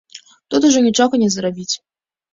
Тут ужо нічога не зрабіць.